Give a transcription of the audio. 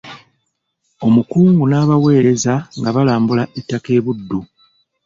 Omukungu n'abaweereza nga balambula ettaka e Buddu.